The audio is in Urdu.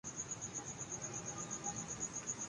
بہرحال یہ ضمنی بحث ہے۔